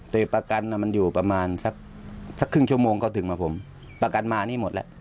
แต่ประกันมันอยู่ประมาณสักสักครึ่งชั่วโมงก็ถึงมาผมประกันมานี่หมดแล้ว